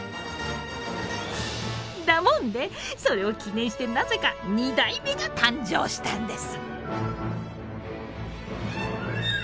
だもんでそれを記念してなぜか２代目が誕生したんです！